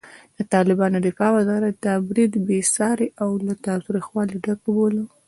د طالبانو دفاع وزارت دا برید بېساری او له تاوتریخوالي ډک وباله.